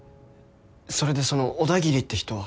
それでその小田切って人は？